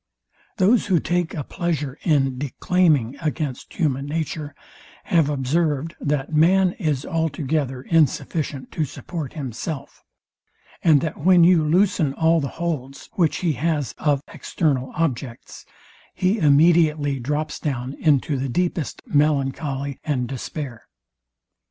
Those, who take a pleasure in declaiming against human nature, have observed, that man is altogether insufficient to support himself; and that when you loosen all the holds, which he has of external objects, he immediately drops down into the deepest melancholy and despair.